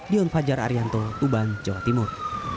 dion fajar arianto tuban jawa timur